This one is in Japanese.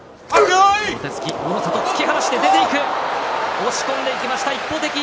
押し込んでいきました一方的。